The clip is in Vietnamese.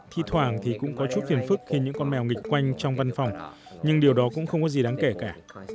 thi thoảng thì cũng có chút phiền phức khi những con mèo nghịch quanh trong văn phòng nhưng điều đó cũng không có gì đáng kể cả